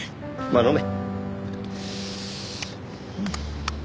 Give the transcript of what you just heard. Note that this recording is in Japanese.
まあ飲め。